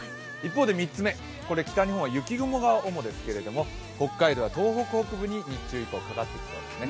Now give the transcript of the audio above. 一方で３つ目、北日本は雪雲が主ですけれども、北海道や東北北部に日中以降かかってきますね。